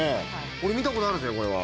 俺見たことあるぜこれは。